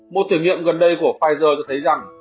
một thử nghiệm gần đây của pfizer cho thấy rằng